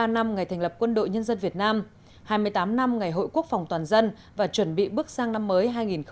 bảy mươi năm năm ngày thành lập quân đội nhân dân việt nam hai mươi tám năm ngày hội quốc phòng toàn dân và chuẩn bị bước sang năm mới hai nghìn hai mươi